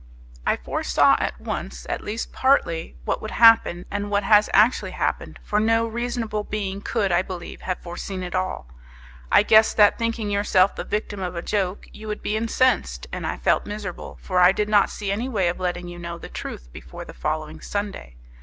I foresaw at once, at least partly; what would happen; and what has actually, happened; for no reasonable being could, I believe, have foreseen it all. I guessed that, thinking yourself the victim of a joke, you would be incensed, and I felt miserable, for I did not see any way of letting you know the truth before the following Sunday.